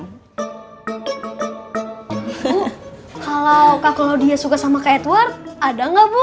bu kalau kak claudia suka sama kak edward ada enggak bu